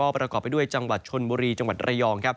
ประกอบไปด้วยจังหวัดชนบุรีจังหวัดระยอง